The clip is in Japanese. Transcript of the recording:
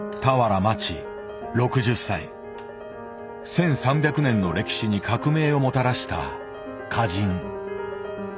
１，３００年の歴史に革命をもたらした歌人。